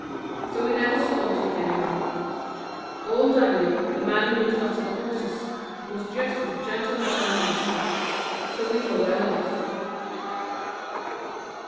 So we never saw Dick any more. Old Daniel, the man who looked after the horses, was just as gentle as our master; so we were well off.